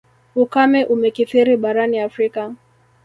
Ukame umekithiri barani Afrika.